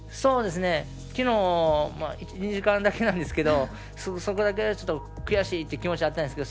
昨日２時間だけなんですがそこだけ、ちょっと悔しいという気持ちがあったんですけど。